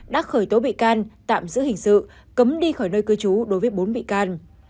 đã khởi tố bị can tạm giữ hình sự cấm đi khỏi nơi cư trú đối với bốn bị can